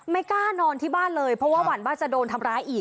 กล้านอนที่บ้านเลยเพราะว่าหวั่นว่าจะโดนทำร้ายอีก